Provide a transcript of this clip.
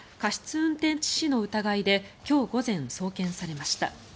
運転致死の疑いで今日午前、送検されました。